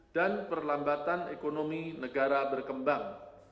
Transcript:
dan perlambatan ekonomi negara berkembang